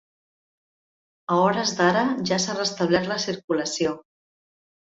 A hores d’ara ja s’ha restablert la circulació.